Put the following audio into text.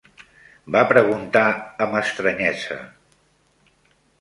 ...va preguntar amb estranyesa: